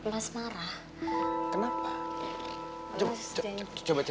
mas gak mau ngeliat kamu